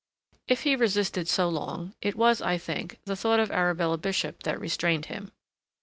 If he resisted so long, it was, I think, the thought of Arabella Bishop that restrained him.